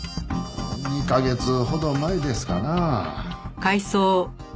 ２カ月ほど前ですかな。